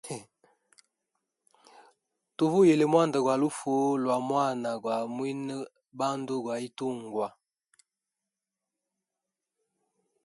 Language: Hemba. Tuvuyilile mwanda gwa lufu lwa mwana gwa mwine bandu gwa itungwa.